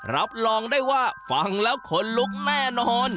รับรองได้ว่าฟังแล้วขนลุกแน่นอน